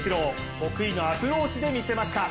得意のアプローチで見せました。